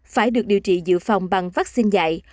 phải được điều trị dự phòng bằng vaccine dạy